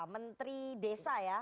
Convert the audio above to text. menteri desa ya